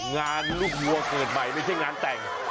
งานลูกวัวใหม่ไม่ใช่งานแต่ง